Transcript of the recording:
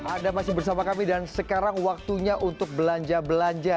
anda masih bersama kami dan sekarang waktunya untuk belanja belanja